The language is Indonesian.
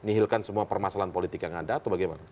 nihilkan semua permasalahan politik yang ada atau bagaimana